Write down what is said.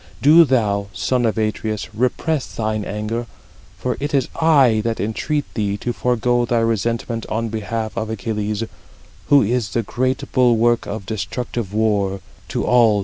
Do thou, son of Atreus, repress thine anger; for it is I that 33 entreat thee to forego thy resentment on behalf of Achilles, who is the great bulwark of destructive war to all the Achæans."